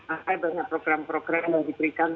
ada banyak program program yang diberikan